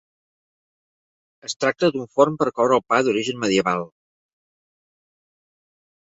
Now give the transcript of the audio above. Es tracta d'un forn per coure el pa d'origen medieval.